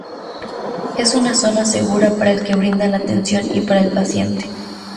Es una zona segura para el que brinda la atención y para el paciente.